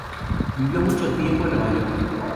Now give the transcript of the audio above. Vivió mucho tiempo en Nueva York.